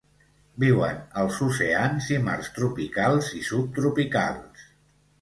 Viuen als oceans i mars tropicals i subtropicals.